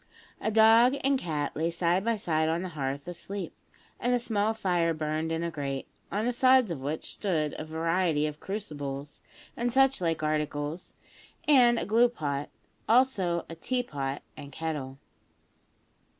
A dog and cat lay side by side on the hearth asleep, and a small fire burned in a grate, on the sides of which stood a variety of crucibles and such like articles and a glue pot; also a tea pot and kettle.